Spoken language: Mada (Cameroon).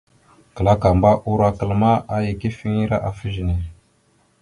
Klakamba urokal ma, aya ikefiŋire afa ezine.